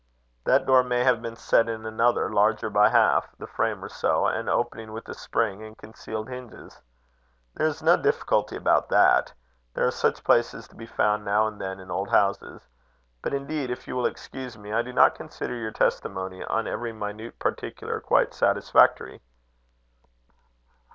"That door may have been set in another, larger by half the frame or so, and opening with a spring and concealed hinges. There is no difficulty about that. There are such places to be found now and then in old houses. But, indeed, if you will excuse me, I do not consider your testimony, on every minute particular, quite satisfactory."